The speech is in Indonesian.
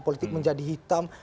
politik menjadi hitam